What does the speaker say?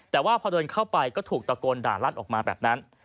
แต่ว่าพอเดินเข้าไปก็ถูกตะโกนด่าลั่นออกมาแบบนั้น